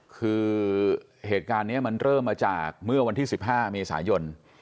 คือเหตุการณ์นี้มันเริ่มมาจากเมื่อวันที่๑๕เมษายน